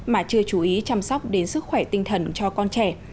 mà chưa chú ý chăm sóc đến sức khỏe tinh thần cho con trẻ